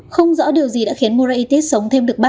không rõ điều gì đã khiến moraitis sống thêm được một chút